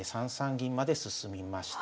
銀まで進みました。